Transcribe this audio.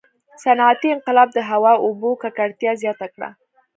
• صنعتي انقلاب د هوا او اوبو ککړتیا زیاته کړه.